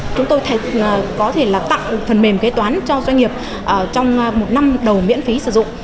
chúng tôi có thể là tặng phần mềm kế toán cho doanh nghiệp trong một năm đầu miễn phí sử dụng